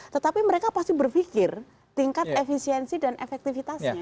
tetapi mereka pasti berpikir tingkat efisiensi dan efektivitasnya